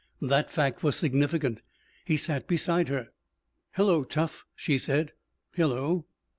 That fact was significant. He sat beside her. "Hello, tough," she said. "Hello."